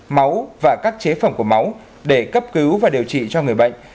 máu và các chế phẩm của máu để cấp cứu và điều trị cho người bệnh